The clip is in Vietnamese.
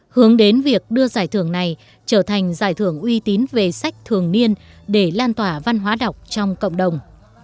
hướng đến việc đưa giải thưởng này trở thành giải thưởng uy tín về sách thường niên để lan tỏa văn hóa đọc trong cộng đồng